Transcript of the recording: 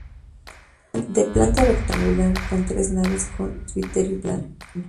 De planta rectangular con tres naves con presbiterio plano.